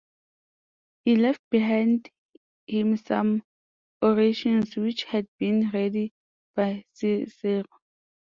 He left behind him some orations, which had been read by Cicero.